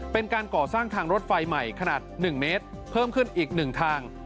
เป็นการก่อสร้างทางรถไฟใหม่ขนาด๑เมตรเพิ่มขึ้นอีก๑ทาง